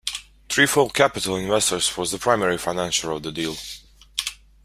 Trefoil Capital Investors was the primary financier of the deal.